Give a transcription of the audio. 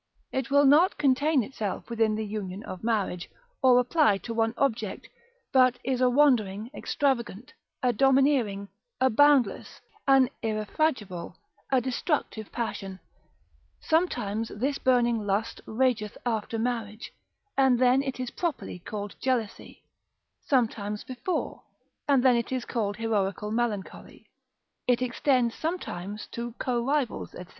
It will not contain itself within the union of marriage, or apply to one object, but is a wandering, extravagant, a domineering, a boundless, an irrefragable, a destructive passion: sometimes this burning lust rageth after marriage, and then it is properly called jealousy; sometimes before, and then it is called heroical melancholy; it extends sometimes to co rivals, &c.